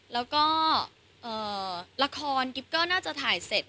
แล้วก็ละครกิ๊บก็น่าจะถ่ายเสร็จ